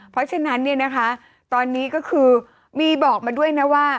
เพราะฉะนั้นเนี่ยนะคะตอนนี้ก็คือมีบอกมาด้วยนะว่า